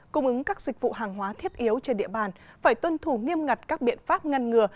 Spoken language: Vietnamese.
cung ứng các dịch vụ hàng hóa thiết yếu trên địa bàn phải tuân thủ nghiêm ngặt các biện pháp ngăn ngừa